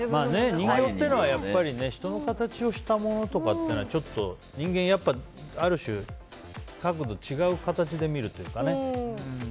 人形っていうのは人の形をしたものっていうのはちょっと人間はある種角度を違う形で見るというか。